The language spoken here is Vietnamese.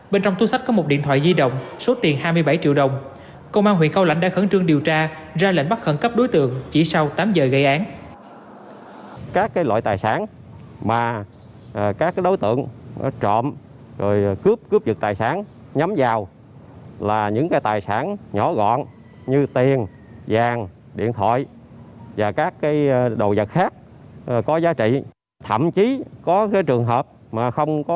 bên trong túi sách có một điện thoại di động số tiền hai mươi bảy triệu đồng